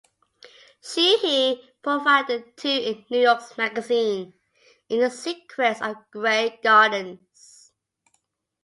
Sheehy profiled the two in "New York Magazine" in "the Secret of Grey Gardens".